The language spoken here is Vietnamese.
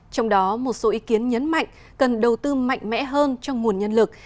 trong đó một số ý kiến nhấn mạnh cần đầu tư mạnh mẽ hơn trong nguồn nhân lực